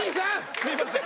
すいません。